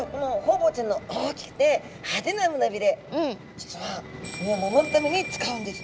実は身を守るために使うんですね。